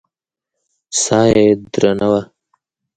ساه يې درنه وه.